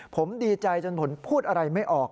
ผมดีใจจนผมพูดอะไรไม่ออก